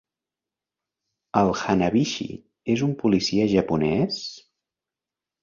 El Hanabishi és un policia japonès?